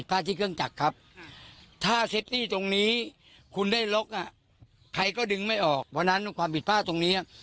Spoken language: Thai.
เพราะฉะนั้นความผิดพลาดตรงนี้